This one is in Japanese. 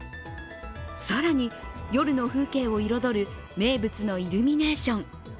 更に、夜の風景を彩る名物のイルミネーション。